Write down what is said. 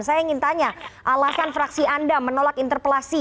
saya ingin tanya alasan fraksi anda menolak interpelasi